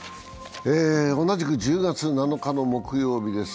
同じく１０月７日木曜日です。